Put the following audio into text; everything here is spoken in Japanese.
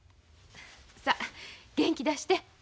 さあ元気出して。